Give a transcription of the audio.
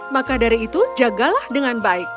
maka dari itu jagalah dengan baik